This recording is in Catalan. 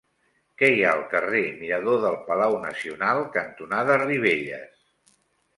Què hi ha al carrer Mirador del Palau Nacional cantonada Ribelles?